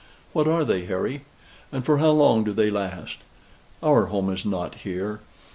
What are they, Harry? and for how long do they last? Our home is not here."